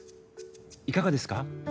いかがですか？